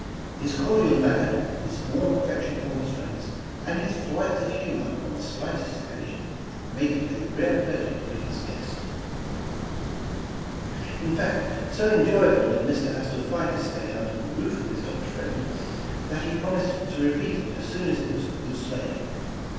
His cordial manner, his warm affection for his friends, and his flights of humor on the slightest occa sion, made it a rare pleasure to be his guest. In fact, so enjoyable did Mr. Astor find his stay under the roof of his old friend, that he promised to repeat it as soon as it was good sleighing.